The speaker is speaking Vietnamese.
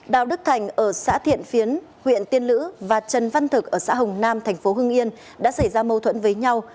đào đức thành ở xã thiện phiến huyện tiên lữ và trần văn thực ở xã hồng nam thành phố hưng yên đã xảy ra mâu thuẫn với nhau